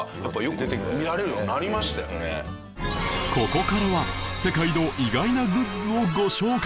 ここからは世界の意外なグッズをご紹介